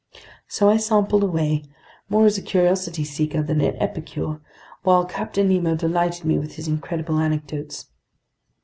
So I sampled away, more as a curiosity seeker than an epicure, while Captain Nemo delighted me with his incredible anecdotes.